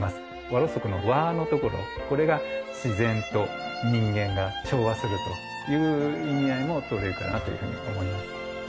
和ろうそくの和のところこれが自然と人間が調和するという意味合いも取れるかなというふうに思います